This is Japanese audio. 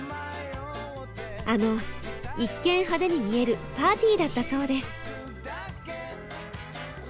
あの一見派手に見えるパーティーだったそうです。